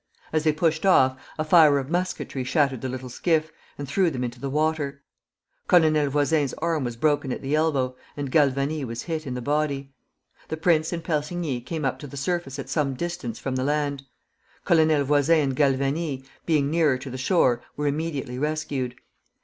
As they pushed off, a fire of musketry shattered the little skiff, and threw them into the water. Colonel Voisin's arm was broken at the elbow, and Galvani was hit in the body. The prince and Persigny came up to the surface at some distance from the land. Colonel Voisin and Galvani, being nearer to the shore, were immediately rescued.